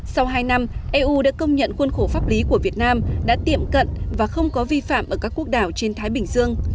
sau hai năm eu đã công nhận khuôn khổ pháp lý của việt nam đã tiệm cận và không có vi phạm ở các quốc đảo trên thái bình dương